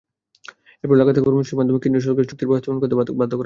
এরপর লাগাতার কর্মসূচির মাধ্যমে কেন্দ্রীয় সরকারকে চুক্তির বাস্তবায়ন করতে বাধ্য করা হবে।